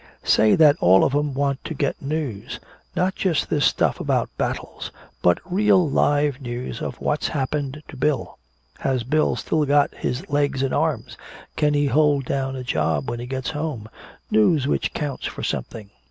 Say that all of 'em want to get news not just this stuff about battles, but real live news of what's happened to Bill. Has Bill still got his legs and arms? Can he hold down a job when he gets home? News which counts for something!